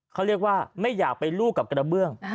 เขาเรียกว่าไม่อยากไปลูกกับกระเบื้อง